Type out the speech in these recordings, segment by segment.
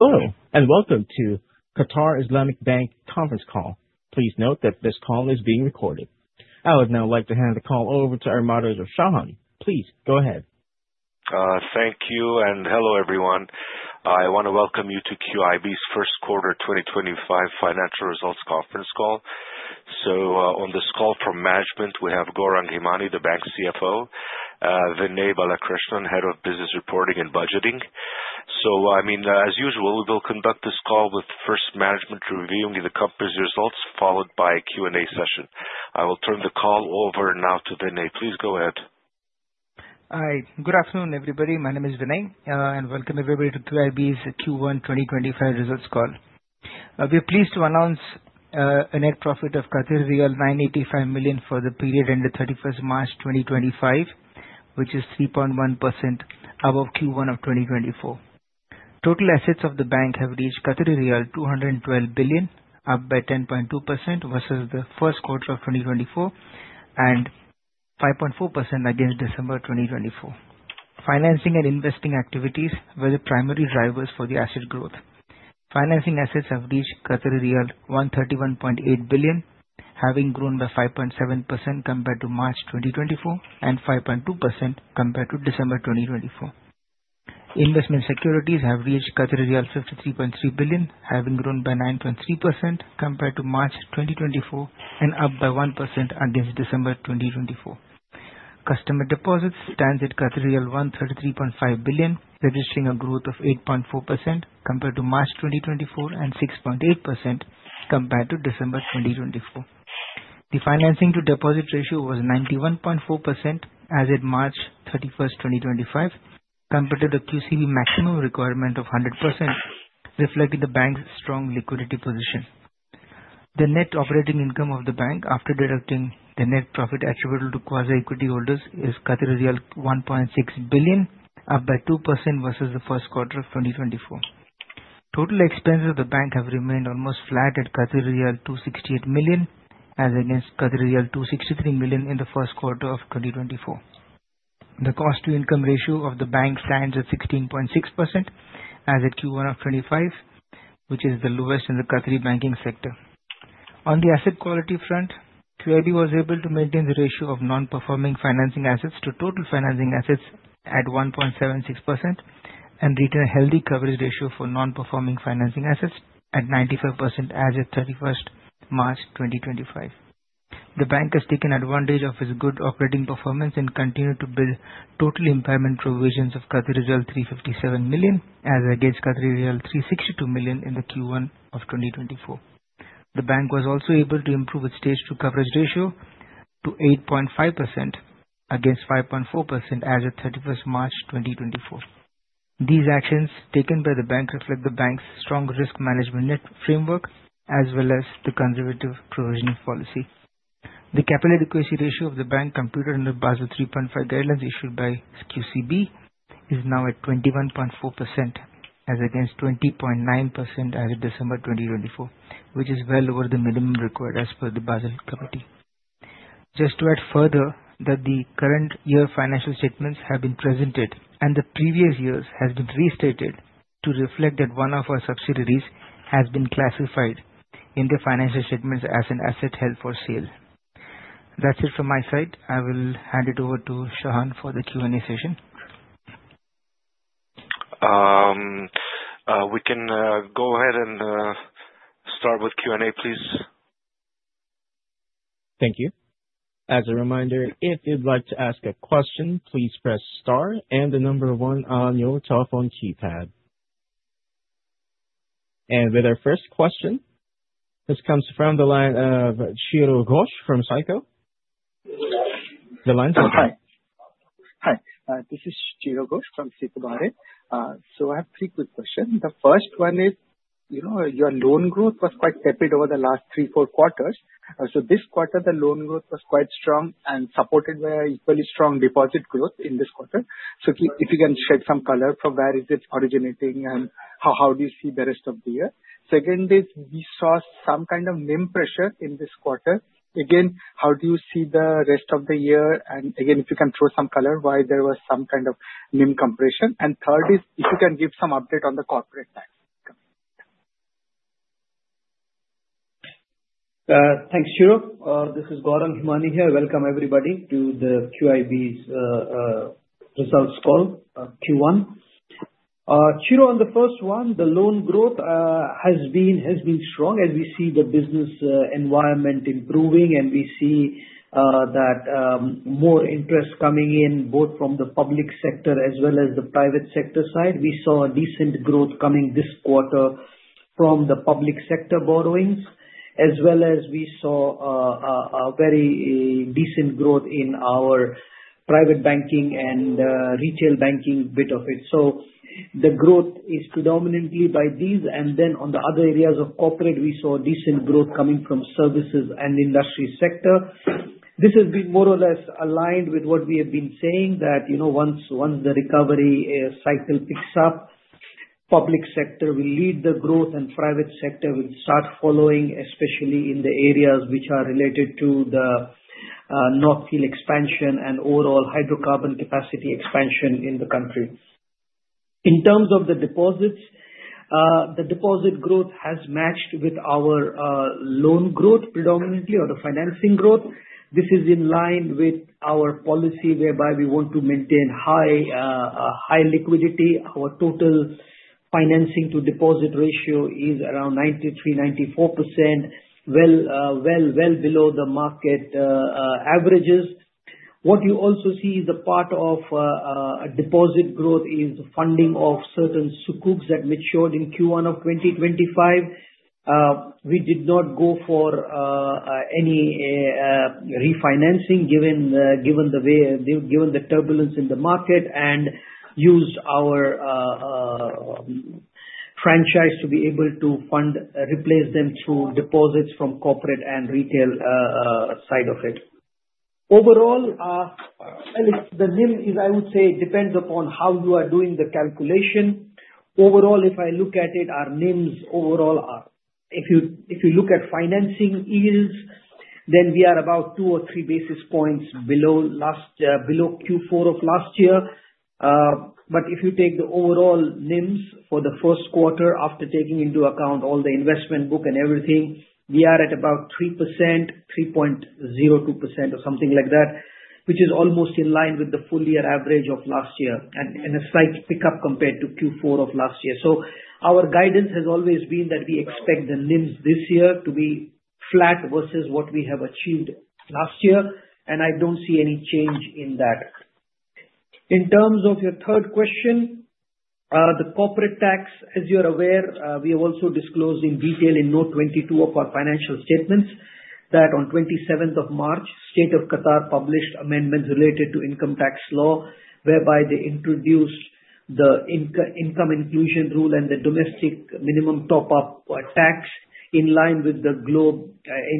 Hello, and welcome to Qatar Islamic Bank conference call. Please note that this call is being recorded. I would now like to hand the call over to our moderator, Shahan. Please go ahead. Thank you, and hello everyone. I want to welcome you to QIB's first quarter 2025 financial results conference call. So, on this call from management, we have Gourang Hemani, the bank's CFO, Vinay Balakrishnan, Head of Business Reporting and Budgeting. So, I mean, as usual, we will conduct this call with first management reviewing the company's results, followed by a Q&A session. I will turn the call over now to Vinay. Please go ahead. Hi. Good afternoon, everybody. My name is Vinay, and welcome everybody to QIB's Q1 2025 results call. We are pleased to announce a net profit of riyal 985 million for the period ended 31st March 2025, which is 3.1% above Q1 of 2024. Total assets of the bank have reached 212 billion, up by 10.2% versus the first quarter of 2024, and 5.4% against December 2024. Financing and investing activities were the primary drivers for the asset growth. Financing assets have reached 131.8 billion, having grown by 5.7% compared to March 2024 and 5.2% compared to December 2024. Investment securities have reached 53.3 billion, having grown by 9.3% compared to March 2024 and up by 1% against December 2024. Customer deposits stand at 133.5 billion, registering a growth of 8.4% compared to March 2024 and 6.8% compared to December 2024. The financing-to-deposit ratio was 91.4% as of March 31st, 2025, compared to the QCB maximum requirement of 100%, reflecting the bank's strong liquidity position. The net operating income of the bank, after deducting the net profit attributable to quasi-equity holders, is 1.6 billion, up by 2% versus the first quarter of 2024. Total expenses of the bank have remained almost flat at 268 million as against 263 million in the first quarter of 2024. The cost-to-income ratio of the bank stands at 16.6% as of Q1 of 2025, which is the lowest in the Qatari banking sector. On the asset quality front, QIB was able to maintain the ratio of non-performing financing assets to total financing assets at 1.76% and retain a healthy coverage ratio for non-performing financing assets at 95% as of 31st March 2025. The bank has taken advantage of its good operating performance and continued to build total impairment provisions of 357 million as against 362 million in the Q1 of 2024. The bank was also able to improve its Stage 2 coverage ratio to 8.5% against 5.4% as of 31st March 2024. These actions taken by the bank reflect the bank's strong risk management and framework as well as the conservative provisioning policy. The capital equity ratio of the bank, computed under Basel 3.5 guidelines issued by QCB, is now at 21.4% as against 20.9% as of December 2024, which is well over the minimum required as per the Basel Committee. Just to add further that the current year financial statements have been presented, and the previous year's has been restated to reflect that one of our subsidiaries has been classified in the financial statements as an asset held for sale. That's it from my side. I will hand it over to Shahan for the Q&A session. We can go ahead and start with Q&A, please. Thank you. As a reminder, if you'd like to ask a question, please press star and the number one on your telephone keypad. And with our first question, this comes from the line of Chiro Ghosh from SICO. The line's on. Hi. Hi. This is Chiro Ghosh from SICO. So I have three quick questions. The first one is, you know, your loan growth was quite tepid over the last three, four quarters. So this quarter, the loan growth was quite strong and supported by equally strong deposit growth in this quarter. So if you can shed some color from where is it originating and how do you see the rest of the year. Second is, we saw some kind of NIM pressure in this quarter. Again, how do you see the rest of the year? And again, if you can throw some color why there was some kind of NIM compression. And third is, if you can give some update on the corporate tax. Thanks, Chiro. This is Gourang Hemani here. Welcome everybody to the QIB's results call, Q1. Chiro, on the first one, the loan growth has been strong as we see the business environment improving, and we see that more interest coming in both from the public sector as well as the private sector side. We saw a decent growth coming this quarter from the public sector borrowings, as well as we saw a very decent growth in our private banking and retail banking bit of it. So the growth is predominantly by these, and then on the other areas of corporate, we saw decent growth coming from services and the industry sector. This has been more or less aligned with what we have been saying that, you know, once the recovery cycle picks up, public sector will lead the growth and private sector will start following, especially in the areas which are related to the North Field Expansion and overall hydrocarbon capacity expansion in the country. In terms of the deposits, the deposit growth has matched with our loan growth predominantly or the financing growth. This is in line with our policy whereby we want to maintain high liquidity. Our total financing-to-deposit ratio is around 93%-94%, well below the market averages. What you also see is a part of deposit growth is the funding of certain sukuk that matured in Q1 of 2025. We did not go for any refinancing given the turbulence in the market and used our franchise to be able to fund replace them through deposits from corporate and retail side of it. Overall, the NIM is, I would say, depends upon how you are doing the calculation. Overall, if I look at it, our NIMs overall, if you look at financing yields, then we are about two or three basis points below Q4 of last year. But if you take the overall NIMs for the first quarter, after taking into account all the investment book and everything, we are at about 3%, 3.02% or something like that, which is almost in line with the full year average of last year and a slight pickup compared to Q4 of last year. So our guidance has always been that we expect the NIMs this year to be flat versus what we have achieved last year, and I don't see any change in that. In terms of your third question, the corporate tax, as you're aware, we have also disclosed in detail in Note 22 of our financial statements that on 27th of March, the State of Qatar published amendments related to income tax law whereby they introduced the income inclusion rule and the domestic minimum top-up tax in line with the GloBE,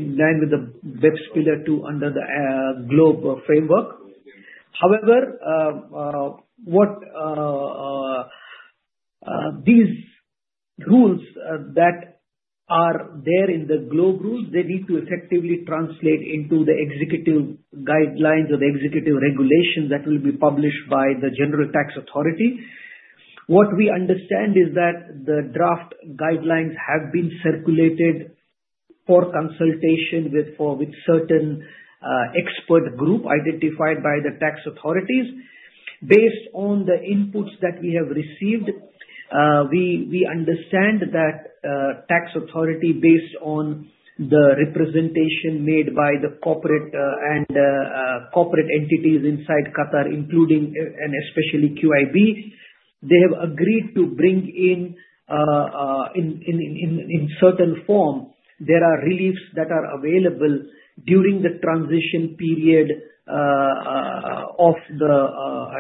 in line with the BEPS Pillar Two under the GloBE framework. However, what these rules that are there in the GloBE rules, they need to effectively translate into the executive guidelines or the executive regulations that will be published by the General Tax Authority. What we understand is that the draft guidelines have been circulated for consultation with certain expert groups identified by the tax authorities. Based on the inputs that we have received, we understand that the tax authority, based on the representation made by the corporate entities inside Qatar, including and especially QIB, they have agreed to bring in, in certain form, there are reliefs that are available during the transition period of the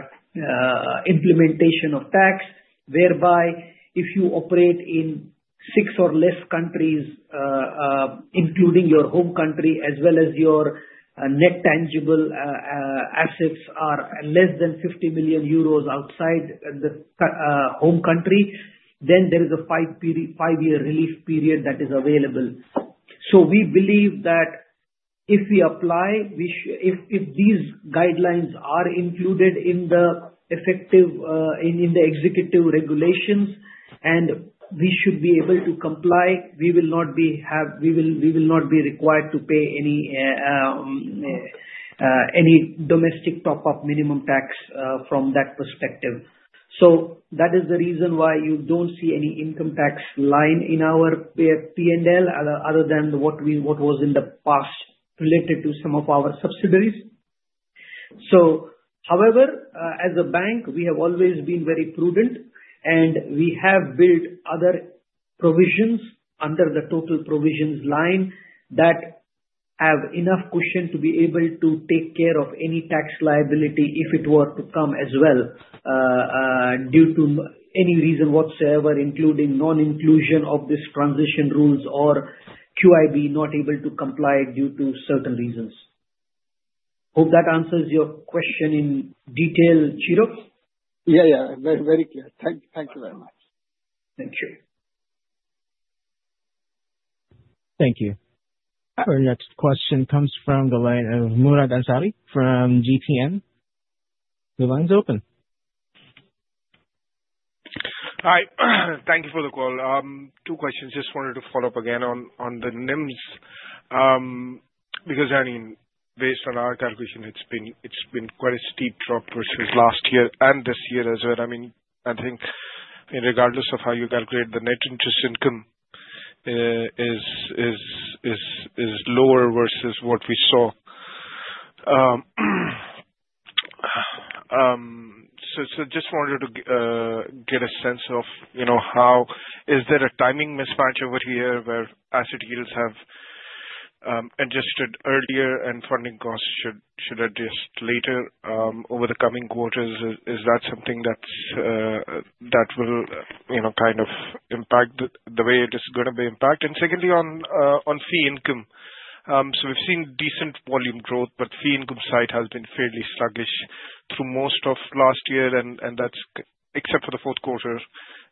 implementation of tax, whereby if you operate in six or less countries, including your home country, as well as your net tangible assets are less than 50 million euros outside the home country, then there is a five-year relief period that is available. So we believe that if we apply, if these guidelines are included in the effective in the executive regulations and we should be able to comply, we will not be required to pay any domestic top-up minimum tax from that perspective. So that is the reason why you don't see any income tax line in our P&L other than what was in the past related to some of our subsidiaries. So, however, as a bank, we have always been very prudent, and we have built other provisions under the total provisions line that have enough cushion to be able to take care of any tax liability if it were to come as well due to any reason whatsoever, including non-inclusion of these transition rules or QIB not able to comply due to certain reasons. Hope that answers your question in detail, Chiro. Yeah, yeah. Very clear. Thank you very much. Thank you. Thank you. Our next question comes from the line of Murad Ansari from GTN. The line's open. Hi. Thank you for the call. Two questions. Just wanted to follow up again on the NIMs because, I mean, based on our calculation, it's been quite a steep drop versus last year and this year as well. I mean, I think regardless of how you calculate the net interest income, it is lower versus what we saw. So just wanted to get a sense of, you know, how is there a timing mismatch over here where asset yields have adjusted earlier and funding costs should adjust later over the coming quarters? Is that something that will, you know, kind of impact the way it is going to be impacted? And secondly, on fee income, so we've seen decent volume growth, but fee income side has been fairly sluggish through most of last year, and that's except for the fourth quarter.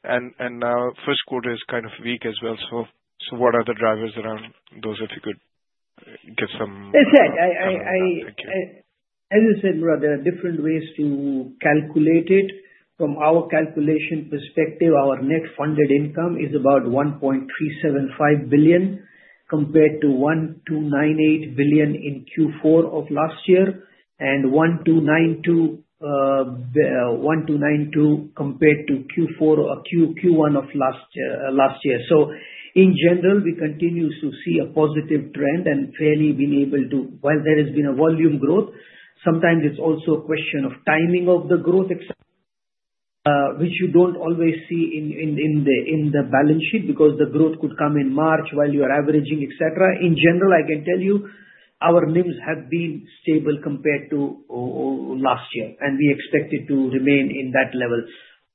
And now first quarter is kind of weak as well. So what are the drivers around those if you could give some? As I said, Murad, there are different ways to calculate it. From our calculation perspective, our net funded income is about 1.375 billion compared to 1.298 billion in Q4 of last year and 1.292 billion compared to Q1 of last year. So in general, we continue to see a positive trend and fairly been able to, while there has been a volume growth, sometimes it's also a question of timing of the growth, which you don't always see in the balance sheet because the growth could come in March while you are averaging, etc. In general, I can tell you our NIMs have been stable compared to last year, and we expect it to remain in that level.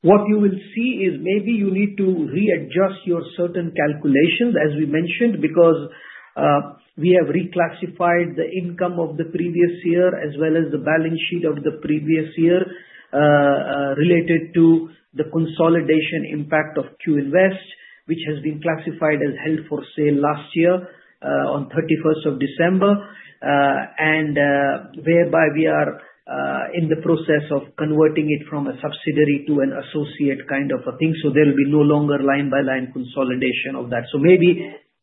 What you will see is maybe you need to readjust your certain calculations, as we mentioned, because we have reclassified the income of the previous year as well as the balance sheet of the previous year related to the consolidation impact of QInvest, which has been classified as held for sale last year on 31st of December, and whereby we are in the process of converting it from a subsidiary to an associate kind of a thing. So there will be no longer line-by-line consolidation of that. So maybe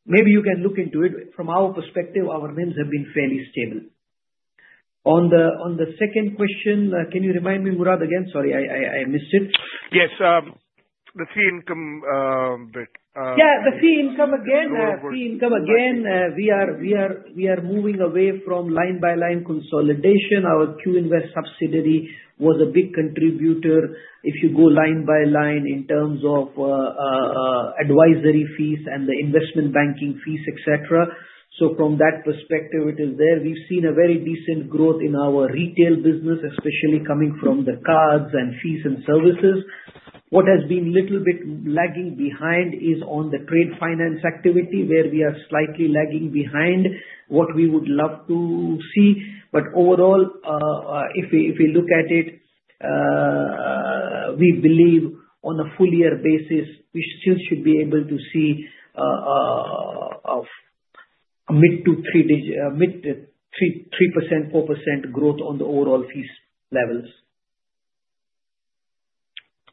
you can look into it. From our perspective, our NIMs have been fairly stable. On the second question, can you remind me, Murad, again? Sorry, I missed it. Yes. The fee income bit. Yeah, the fee income again. The fee income again, we are moving away from line-by-line consolidation. Our QInvest subsidiary was a big contributor if you go line-by-line in terms of advisory fees and the investment banking fees, etc. So from that perspective, it is there. We've seen a very decent growth in our retail business, especially coming from the cards and fees and services. What has been a little bit lagging behind is on the trade finance activity where we are slightly lagging behind what we would love to see. But overall, if we look at it, we believe on a full year basis, we still should be able to see a mid to 3%, 4% growth on the overall fees levels.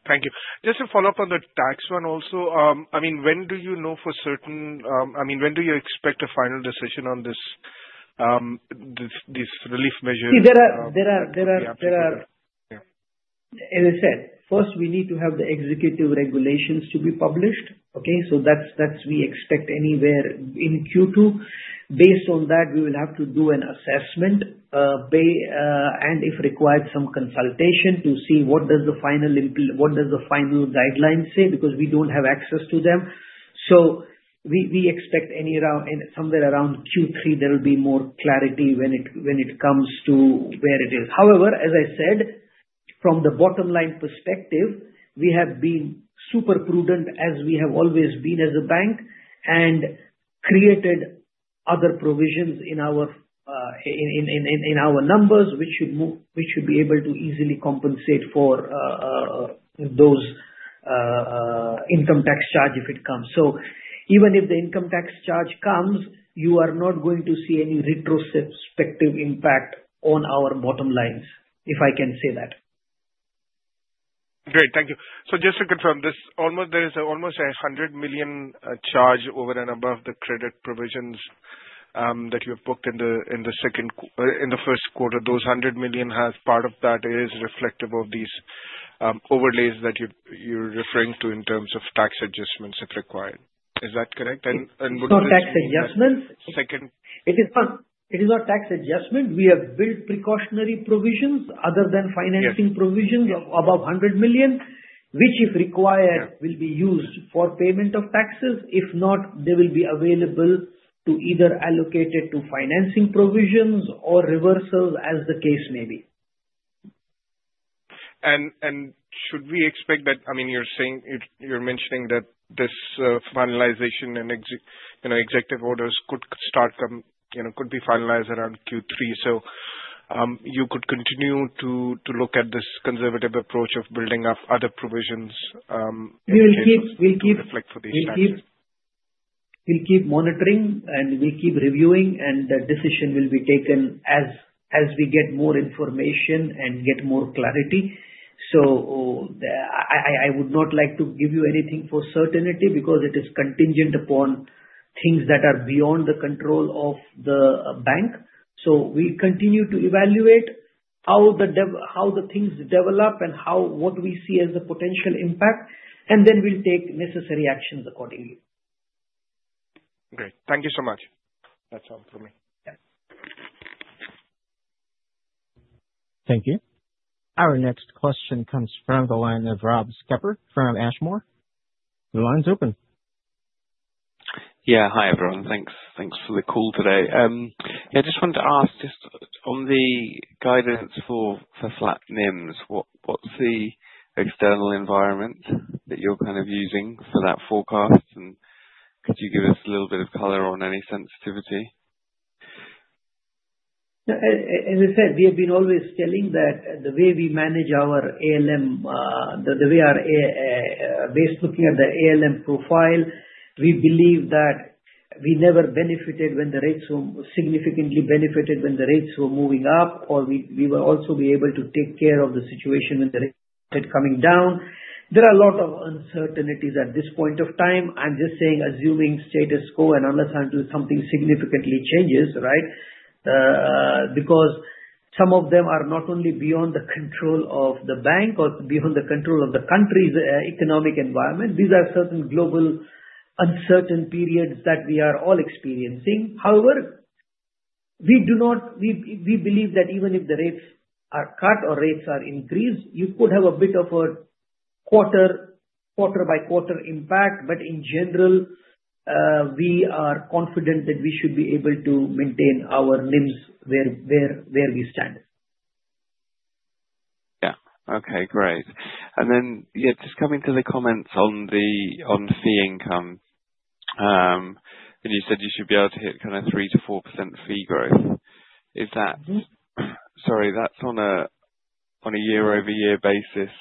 Thank you. Just to follow up on the tax one also, I mean, when do you know for certain, I mean, when do you expect a final decision on these relief measures? See, there are, as I said, first, we need to have the executive regulations to be published, okay? So that's we expect anywhere in Q2. Based on that, we will have to do an assessment and, if required, some consultation to see what does the final guideline say because we don't have access to them. So we expect somewhere around Q3, there will be more clarity when it comes to where it is. However, as I said, from the bottom line perspective, we have been super prudent as we have always been as a bank and created other provisions in our numbers, which should be able to easily compensate for those income tax charge if it comes. So even if the income tax charge comes, you are not going to see any retrospective impact on our bottom lines, if I can say that. Great. Thank you. So just to confirm, there is almost 100 million charge over and above the credit provisions that you have booked in the first quarter. Those 100 million has part of that is reflective of these overlays that you're referring to in terms of tax adjustments if required. Is that correct? It's not tax adjustments. Second. It is not tax adjustment. We have built precautionary provisions other than financing provisions above 100 million, which, if required, will be used for payment of taxes. If not, they will be available to either allocate it to financing provisions or reversals as the case may be. Should we expect that? I mean, you're mentioning that this finalization and executive orders could start, could be finalized around Q3. So you could continue to look at this conservative approach of building up other provisions. We'll keep monitoring and we'll keep reviewing, and the decision will be taken as we get more information and get more clarity. So I would not like to give you anything for certainty because it is contingent upon things that are beyond the control of the bank. So we continue to evaluate how the things develop and what we see as the potential impact, and then we'll take necessary actions accordingly. Great. Thank you so much. That's all for me. Thank you. Our next question comes from the line of Rob Skepper from Ashmore. The line's open. Yeah. Hi, everyone. Thanks for the call today. Yeah, I just wanted to ask, just on the guidance for flat NIMs, what's the external environment that you're kind of using for that forecast? And could you give us a little bit of color on any sensitivity? As I said, we have been always telling that the way we manage our ALM, the way our based looking at the ALM profile, we believe that we never benefited when the rates were significantly benefited when the rates were moving up, or we will also be able to take care of the situation when the rates started coming down. There are a lot of uncertainties at this point of time. I'm just saying, assuming status quo and unless something significantly changes, right? Because some of them are not only beyond the control of the bank or beyond the control of the country's economic environment. These are certain global uncertain periods that we are all experiencing. However, we believe that even if the rates are cut or rates are increased, you could have a bit of a quarter-by-quarter impact. But in general, we are confident that we should be able to maintain our NIMs where we stand. Yeah. Okay. Great. And then, yeah, just coming to the comments on the fee income, and you said you should be able to hit kind of 3%-4% fee growth. Is that, sorry, that's on a year-over-year basis?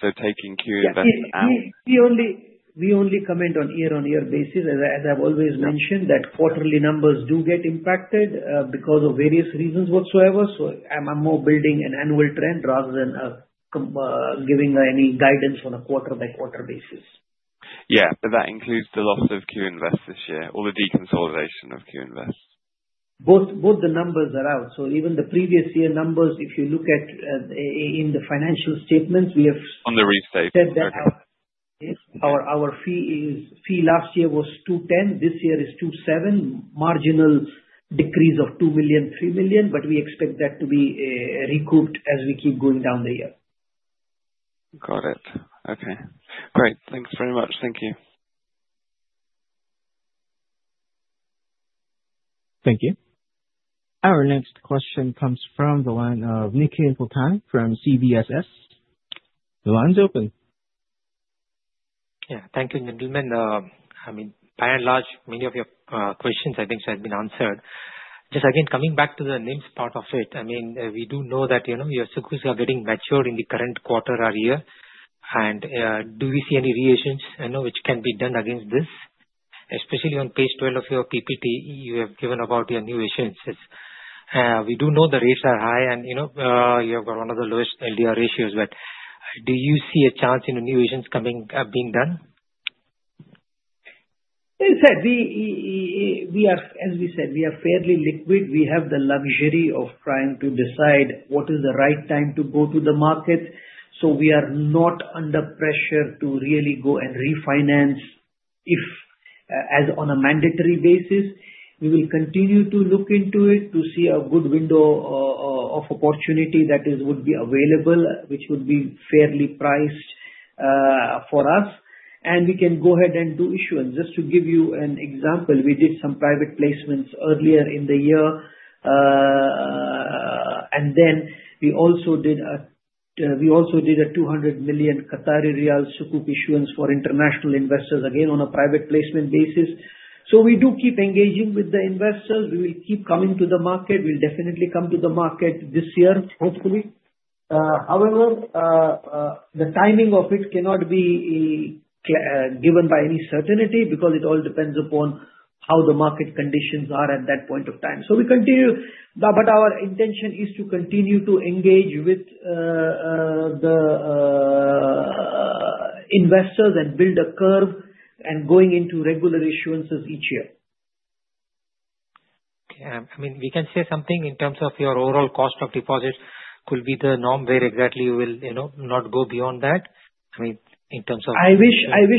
So taking QInvest out. We only comment on year-on-year basis. As I've always mentioned, that quarterly numbers do get impacted because of various reasons whatsoever, so I'm more building an annual trend rather than giving any guidance on a quarter-by-quarter basis. Yeah. But that includes the loss of QInvest this year or the deconsolidation of QInvest. Both the numbers are out. So even the previous year numbers, if you look at in the financial statements, we have. On the restate. Our fee last year was 210 million. This year is 27 million, marginal decrease of two million-QAR three million, but we expect that to be recouped as we keep going down the year. Got it. Okay. Great. Thanks very much. Thank you. Thank you. Our next question comes from the line of Nikhil Pothan from CBFS. The line's open. Yeah. Thank you, gentleman. I mean, by and large, many of your questions, I think, have been answered. Just again, coming back to the NIMs part of it, I mean, we do know that your sukuk are getting matured in the current quarter or year. And do we see any reissuance which can be done against this? Especially on page 12 of your PPT, you have given about your new issuances. We do know the rates are high, and you have got one of the lowest LDR ratios. But do you see a chance in the new issuance being done? As I said, we are, as we said, we are fairly liquid. We have the luxury of trying to decide what is the right time to go to the market. So we are not under pressure to really go and refinance as on a mandatory basis. We will continue to look into it to see a good window of opportunity that would be available, which would be fairly priced for us. And we can go ahead and do issuance. Just to give you an example, we did some private placements earlier in the year. And then we also did a 200 million Qatari riyal sukuk issuance for international investors, again, on a private placement basis. So we do keep engaging with the investors. We will keep coming to the market. We'll definitely come to the market this year, hopefully. However, the timing of it cannot be given by any certainty because it all depends upon how the market conditions are at that point of time. So we continue, but our intention is to continue to engage with the investors and build a curve and going into regular issuances each year. Okay. I mean, we can say something in terms of your overall cost of deposit could be the norm where exactly you will not go beyond that? I mean, in terms of. I wish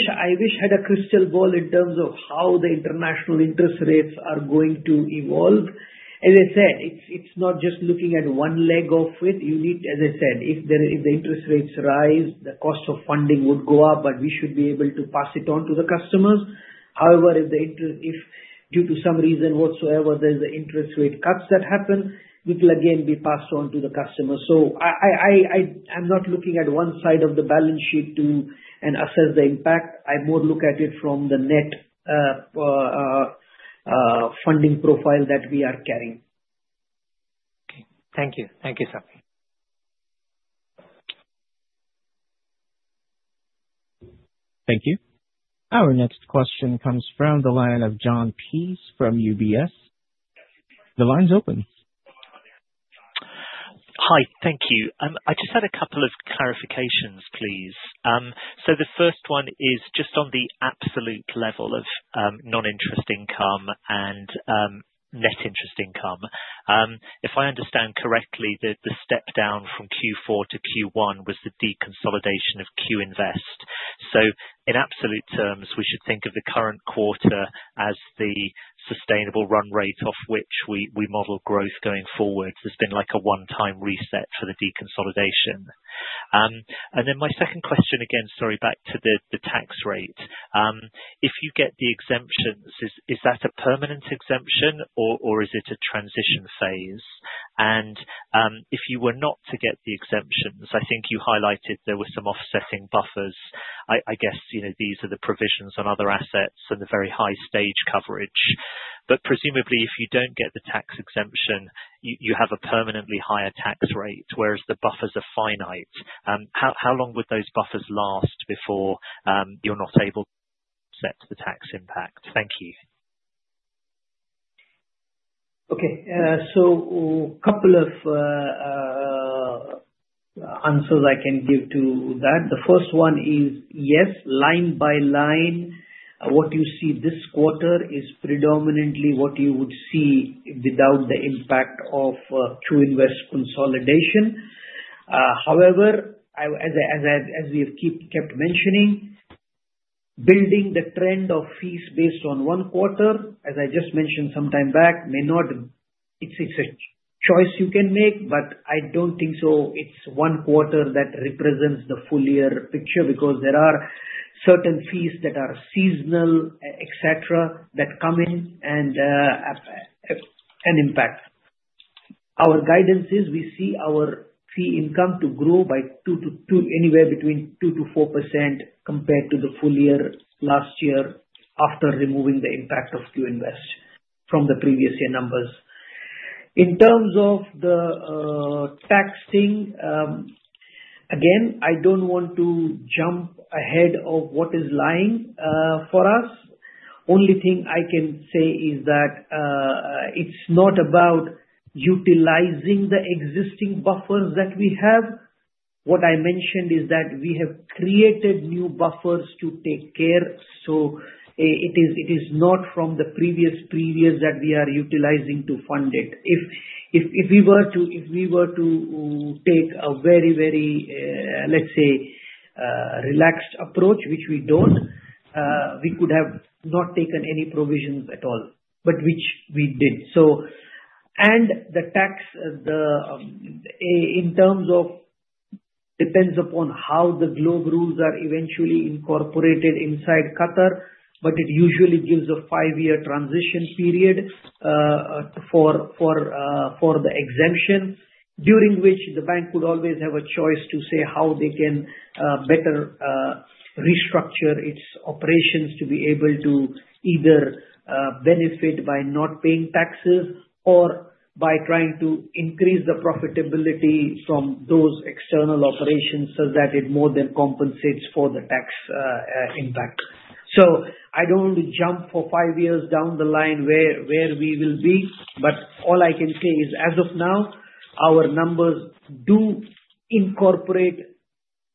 I had a crystal ball in terms of how the international interest rates are going to evolve. As I said, it's not just looking at one leg of it. You need, as I said, if the interest rates rise, the cost of funding would go up, but we should be able to pass it on to the customers. However, if due to some reason whatsoever, there's an interest rate cut that happens, it will again be passed on to the customers. So I'm not looking at one side of the balance sheet to assess the impact. I more look at it from the net funding profile that we are carrying. Okay. Thank you. Thank you, sir. Thank you. Our next question comes from the line of John Pease from UBS. The line's open. Hi. Thank you. I just had a couple of clarifications, please. So the first one is just on the absolute level of non-interest income and net interest income. If I understand correctly, the step down from Q4 to Q1 was the deconsolidation of QInvest. So in absolute terms, we should think of the current quarter as the sustainable run rate off which we model growth going forward. There's been a one-time reset for the deconsolidation. And then my second question again, sorry, back to the tax rate. If you get the exemptions, is that a permanent exemption or is it a transition phase? And if you were not to get the exemptions, I think you highlighted there were some offsetting buffers. I guess these are the provisions on other assets and the very high-stage coverage. But presumably, if you don't get the tax exemption, you have a permanently higher tax rate, whereas the buffers are finite. How long would those buffers last before you're not able to offset the tax impact? Thank you. Okay. So a couple of answers I can give to that. The first one is, yes, line by line, what you see this quarter is predominantly what you would see without the impact of QInvest consolidation. However, as we have kept mentioning, building the trend of fees based on one quarter, as I just mentioned sometime back, may not. It's a choice you can make, but I don't think so. It's one quarter that represents the full year picture because there are certain fees that are seasonal, etc., that come in and an impact. Our guidance is we see our fee income to grow by anywhere between 2% to 4% compared to the full year last year after removing the impact of QInvest from the previous year numbers. In terms of the taxing, again, I don't want to jump ahead of what is lying for us. only thing I can say is that it's not about utilizing the existing buffers that we have. What I mentioned is that we have created new buffers to take care. So it is not from the previous previous that we are utilizing to fund it. If we were to take a very, very, let's say, relaxed approach, which we don't, we could have not taken any provisions at all, but which we did. The tax in terms of depends upon how the GloBE rules are eventually incorporated inside Qatar, but it usually gives a five-year transition period for the exemption, during which the bank would always have a choice to say how they can better restructure its operations to be able to either benefit by not paying taxes or by trying to increase the profitability from those external operations so that it more than compensates for the tax impact. I don't want to jump for five years down the line where we will be, but all I can say is, as of now, our numbers do incorporate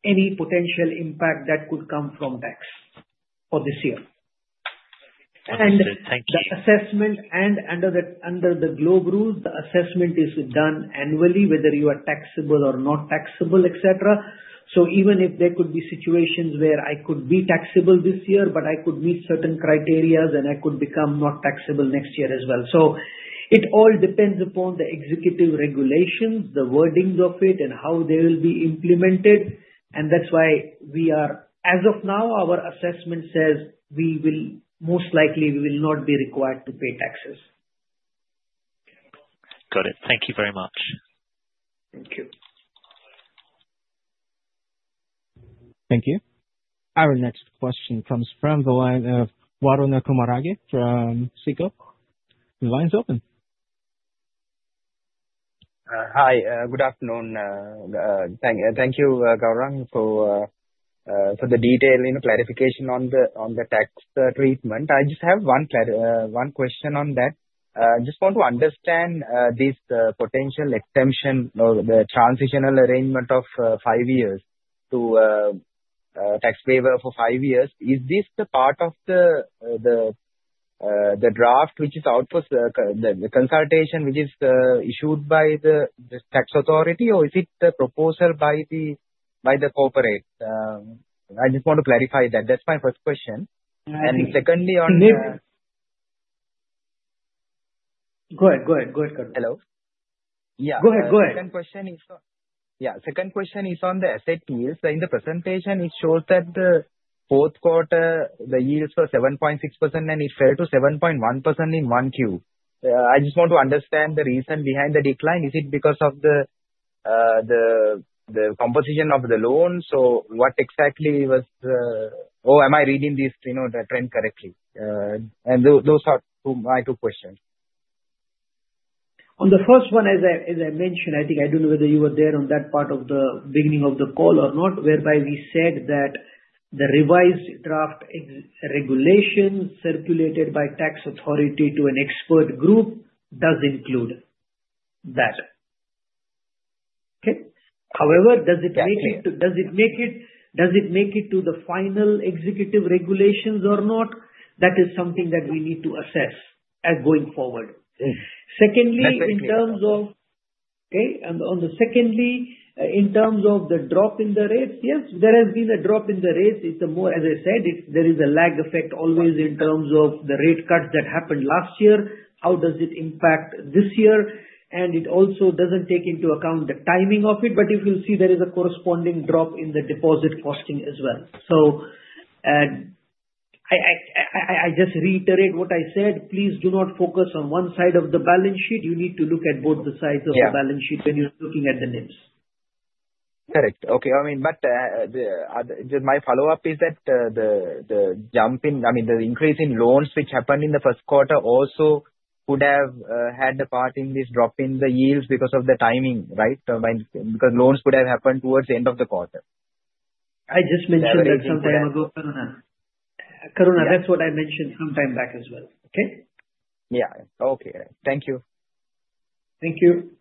any potential impact that could come from tax for this year. The assessment under the GloBE rules is done annually, whether you are taxable or not taxable, etc. So even if there could be situations where I could be taxable this year, but I could meet certain criteria, and I could become not taxable next year as well. So it all depends upon the executive regulations, the wordings of it, and how they will be implemented. And that's why we are, as of now, our assessment says we will most likely not be required to pay taxes. Got it. Thank you very much. Thank you. Thank you. Our next question comes from the line of Waruna Kumarage from SICO. The line's open. Hi. Good afternoon. Thank you, Gaurang, for the detailed clarification on the tax treatment. I just have one question on that. I just want to understand this potential extension or the transitional arrangement of five years to tax waiver for five years. Is this the part of the draft which is out for the consultation which is issued by the tax authority, or is it the proposal by the corporate? I just want to clarify that. That's my first question. And secondly on. Go ahead, Gaurang. Hello? Yeah. Go ahead. Second question is on the asset yields. In the presentation, it shows that the fourth quarter, the yields were 7.6%, and it fell to 7.1% in 1Q. I just want to understand the reason behind the decline. Is it because of the composition of the loans? So what exactly was—or am I reading this trend correctly? And those are my two questions. On the first one, as I mentioned, I think I don't know whether you were there on that part of the beginning of the call or not, whereby we said that the revised draft regulations circulated by tax authority to an expert group does include that. Okay? However, does it make it to the final executive regulations or not? That is something that we need to assess going forward. Secondly, in terms of the drop in the rates, yes, there has been a drop in the rates. It's a more, as I said, there is a lag effect always in terms of the rate cuts that happened last year. How does it impact this year? It also doesn't take into account the timing of it, but if you'll see, there is a corresponding drop in the deposit costing as well. So I just reiterate what I said. Please do not focus on one side of the balance sheet. You need to look at both the sides of the balance sheet when you're looking at the NIMs. Correct. Okay. I mean, but just my follow-up is that the jump in, I mean, the increase in loans which happened in the first quarter also could have had a part in this drop in the yields because of the timing, right? Because loans could have happened towards the end of the quarter. I just mentioned that sometime ago, Gaurang. Gaurang, that's what I mentioned sometime back as well. Okay? Yeah. Okay. Thank you. Thank you.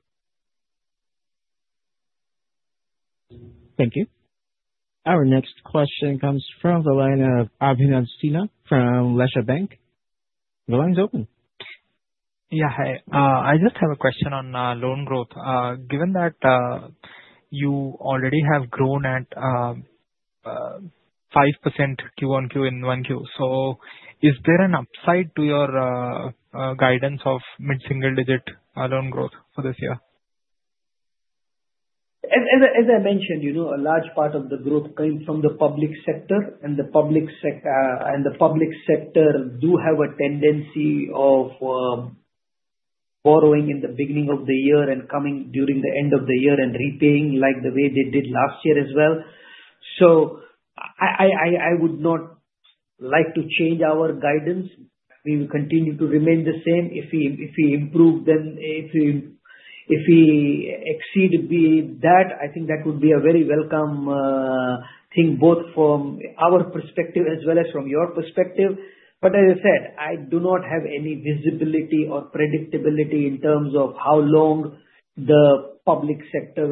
Thank you. Our next question comes from the line of Abhinav Sinha from Lesha Bank. The line's open. Yeah. Hi. I just have a question on loan growth. Given that you already have grown at 5% Q1, Q2, so is there an upside to your guidance of mid-single-digit loan growth for this year? As I mentioned, a large part of the growth came from the public sector, and the public sector do have a tendency of borrowing in the beginning of the year and coming during the end of the year and repaying like the way they did last year as well. So I would not like to change our guidance. We will continue to remain the same. If we improve them, if we exceed that, I think that would be a very welcome thing both from our perspective as well as from your perspective. But as I said, I do not have any visibility or predictability in terms of how long the public sector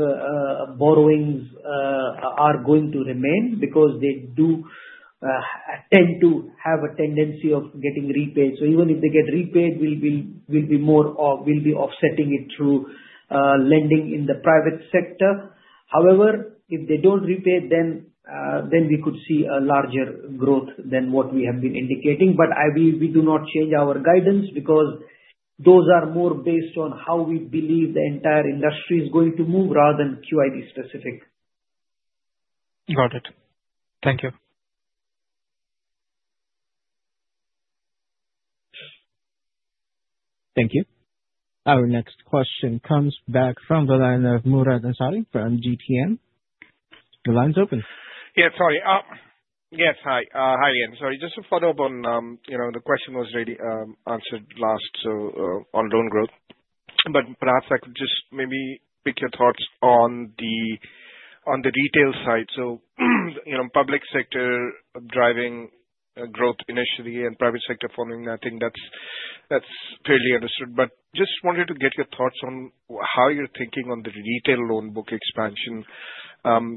borrowings are going to remain because they do tend to have a tendency of getting repaid. So even if they get repaid, we'll be offsetting it through lending in the private sector. However, if they don't repay, then we could see a larger growth than what we have been indicating. But we do not change our guidance because those are more based on how we believe the entire industry is going to move rather than QIB-specific. Got it. Thank you. Thank you. Our next question comes back from the line of Murad Ansari from GTN. The line's open. Yeah. Sorry. Yes. Hi. Hi again. Sorry. Just to follow up on the question was already answered last on loan growth, but perhaps I could just maybe pick your thoughts on the retail side. So public sector driving growth initially and private sector following, I think that's fairly understood. But just wanted to get your thoughts on how you're thinking on the retail loan book expansion.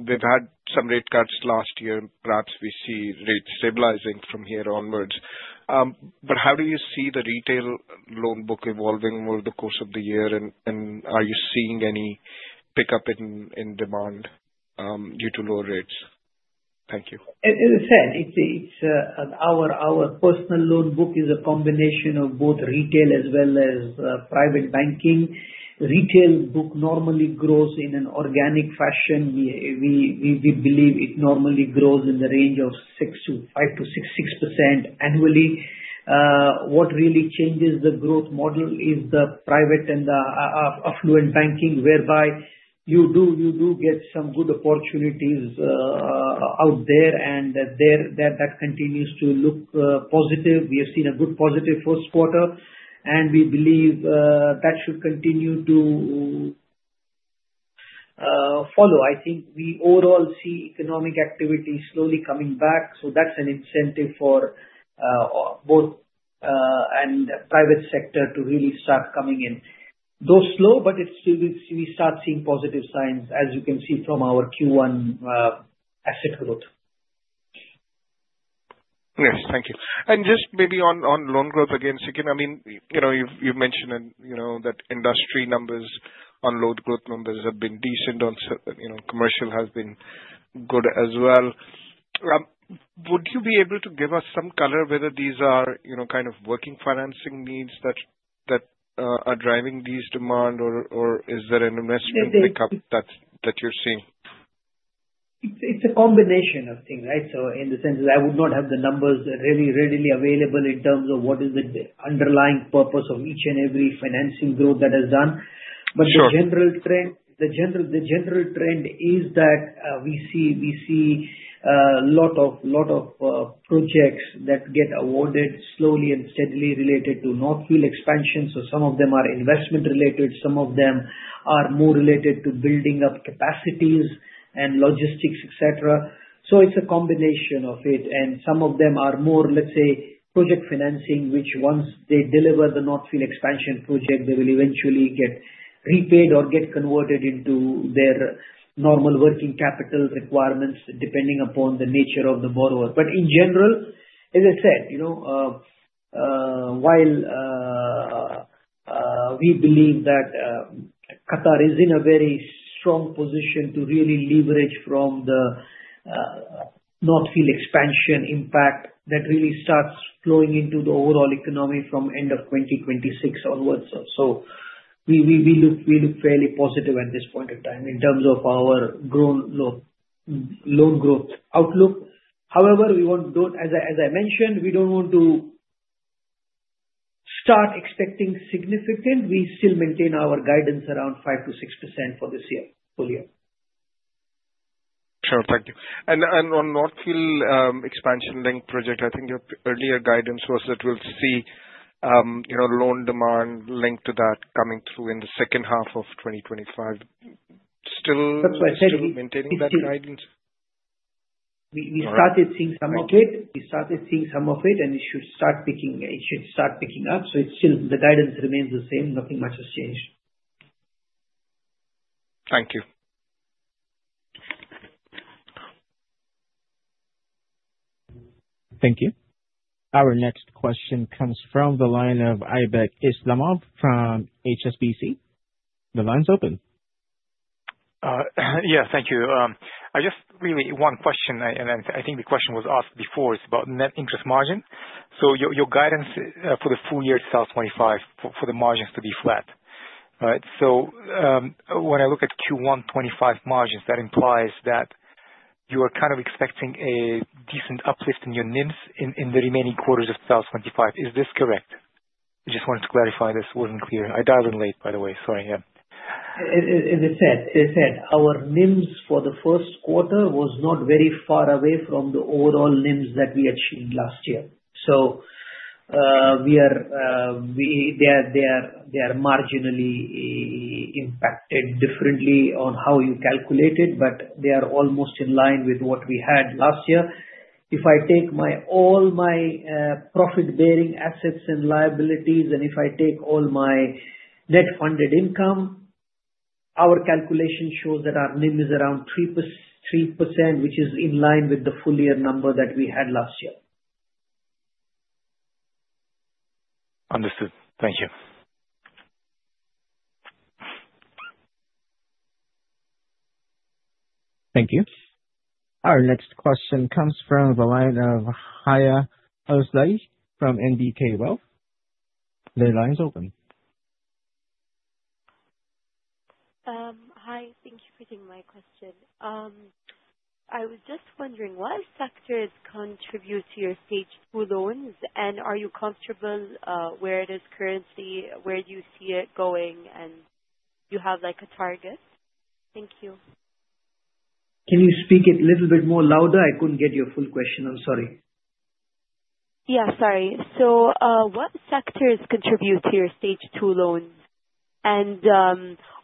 We've had some rate cuts last year. Perhaps we see rates stabilizing from here onwards. But how do you see the retail loan book evolving over the course of the year, and are you seeing any pickup in demand due to lower rates? Thank you. As I said, our personal loan book is a combination of both retail as well as private banking. Retail book normally grows in an organic fashion. We believe it normally grows in the range of 5%-6% annually. What really changes the growth model is the private and the affluent banking, whereby you do get some good opportunities out there, and that continues to look positive. We have seen a good positive first quarter, and we believe that should continue to follow. I think we overall see economic activity slowly coming back. So that's an incentive for both public and private sector to really start coming in. Though slow, but we start seeing positive signs, as you can see from our Q1 asset growth. Yes. Thank you. And just maybe on loan growth again, Gourang. I mean, you've mentioned that industry numbers on loan growth numbers have been decent. Commercial has been good as well. Would you be able to give us some color whether these are kind of working financing needs that are driving these demand, or is there an investment pickup that you're seeing? It's a combination of things, right? So in the sense that I would not have the numbers readily available in terms of what is the underlying purpose of each and every financing growth that has done. But the general trend is that we see a lot of projects that get awarded slowly and steadily related to North Field Expansion. Some of them are investment-related. Some of them are more related to building up capacities and logistics, etc. So it's a combination of it. And some of them are more, let's say, project financing, which once they deliver the North Field Expansion project, they will eventually get repaid or get converted into their normal working capital requirements depending upon the nature of the borrower. But in general, as I said, while we believe that Qatar is in a very strong position to really leverage from the North Field Expansion impact that really starts flowing into the overall economy from end of 2026 onwards. So we look fairly positive at this point in time in terms of our loan growth outlook. However, as I mentioned, we don't want to start expecting significant. We still maintain our guidance around 5%-6% for this year, full year. Sure. Thank you. And on North Field Expansion LNG project, I think your earlier guidance was that we'll see loan demand linked to that coming through in the second half of 2025. Still. That's why I said. You're maintaining that guidance? We started seeing some of it. We started seeing some of it, and it should start picking up. So the guidance remains the same. Nothing much has changed. Thank you. Thank you. Our next question comes from the line of Aybek Islamov from HSBC. The line's open. Yeah. Thank you. Just really one question, and I think the question was asked before. It's about net interest margin. So your guidance for the full year 2025 for the margins to be flat, right? So when I look at Q1 2025 margins, that implies that you are kind of expecting a decent uplift in your NIMs in the remaining quarters of 2025. Is this correct? I just wanted to clarify this. It wasn't clear. I dialed in late, by the way. Sorry. Yeah. As I said, our NIMs for the first quarter was not very far away from the overall NIMs that we achieved last year. So they are marginally impacted differently on how you calculate it, but they are almost in line with what we had last year. If I take all my profit-bearing assets and liabilities, and if I take all my net funded income, our calculation shows that our NIM is around 3%, which is in line with the full year number that we had last year. Understood. Thank you. Thank you. Our next question comes from the line of Haya AI Fulaij from NBK Wealth. The line's open. Hi. Thank you for taking my question. I was just wondering, what factors contribute to your Stage 2 loans, and are you comfortable where it is currently, where you see it going, and do you have a target? Thank you. Can you speak it a little bit more louder? I couldn't get your full question. I'm sorry. Yeah. Sorry. So, what factors contribute to your Stage 2 loans, and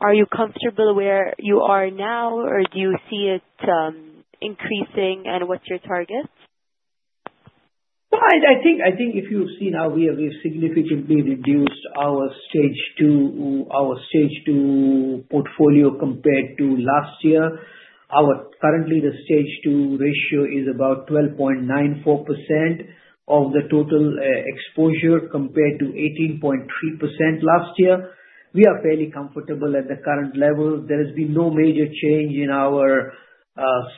are you comfortable where you are now, or do you see it increasing, and what's your target? I think if you see now, we have significantly reduced our Stage 2 portfolio compared to last year. Currently, the Stage 2 ratio is about 12.94% of the total exposure compared to 18.3% last year. We are fairly comfortable at the current level. There has been no major change in our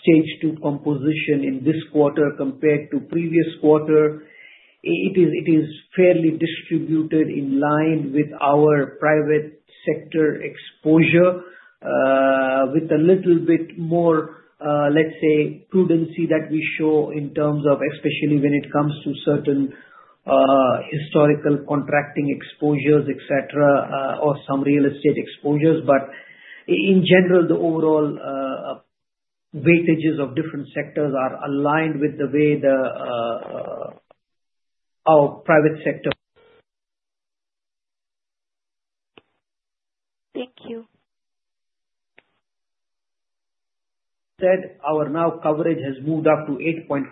Stage 2 composition in this quarter compared to previous quarter. It is fairly distributed in line with our private sector exposure with a little bit more, let's say, prudency that we show in terms of especially when it comes to certain historical contracting exposures, etc., or some real estate exposures. But in general, the overall weightages of different sectors are aligned with the way our private sector. Thank you. So, our NPF coverage has moved up to 8.5%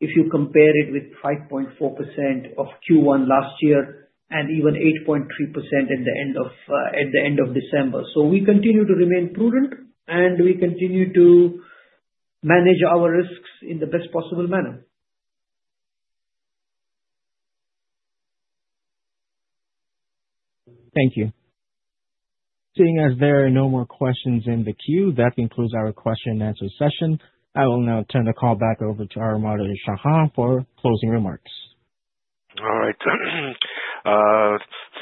if you compare it with 5.4% of Q1 last year and even 8.3% at the end of December. We continue to remain prudent, and we continue to manage our risks in the best possible manner. Thank you. Seeing as there are no more questions in the queue, that concludes our question-and-answer session. I will now turn the call back over to our moderator, Shahan, for closing remarks. All right.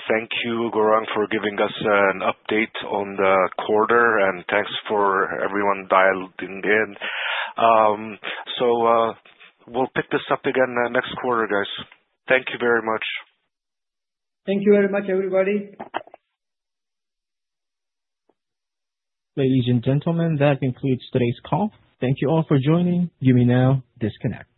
Thank you, Gaurang, for giving us an update on the quarter, and thanks for everyone dialed in. So we'll pick this up again next quarter, guys. Thank you very much. Thank you very much, everybody. Ladies and gentlemen, that concludes today's call. Thank you all for joining. You may now disconnect.